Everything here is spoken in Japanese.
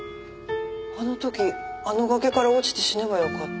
「あの時あの崖から落ちて死ねばよかった」